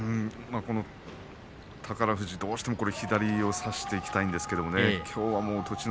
宝富士どうしても左を差していきたいんですけれどきょうは栃ノ